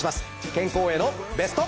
健康へのベスト。